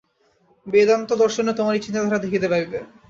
বেদান্ত দর্শনে তোমরা এই চিন্তাধারা দেখিতে পাইবে।